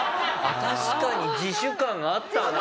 確かに自首感あったな。